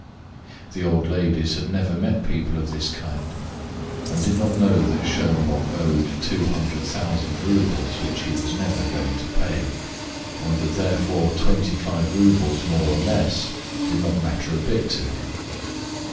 The old ladies had never met people of this kind, and did not know that Schonbock owed 200,000 roubles which he was never going to pay, and that therefore 25 roubles more or less did not matter a bit to him.